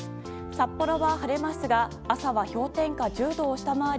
札幌は晴れますが朝は氷点下１０度を下回り